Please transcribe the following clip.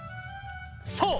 そう！